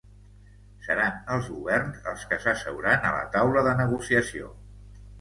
Seran els governs els que s'asseuran a la taula de negociació